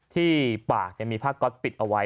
ที่ปากยังมีพาคก๊อตปิดเอาไว้